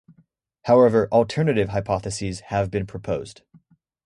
However, alternative hypotheses have been proposed.